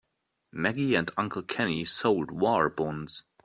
Maggie and Uncle Kenny sold war bonds.